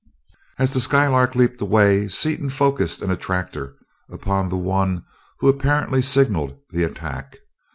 As the Skylark leaped away, Seaton focussed an attractor upon the one who had apparently signaled the attack.